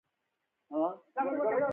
خولۍ د جنرالانو نښه هم ګڼل شوې.